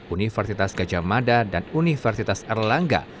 universitas gajah mada dan universitas erlangga